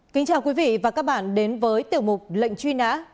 kính chào quý vị và các bạn đến với tiểu mục lệnh truy nã